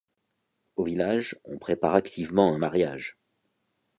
Au village, on prépare activement un mariage.